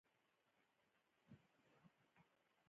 دا جملې د احساساتو د څرګندولو پرته نه شم لیکلای.